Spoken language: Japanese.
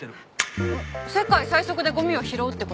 世界最速でゴミを拾うって事？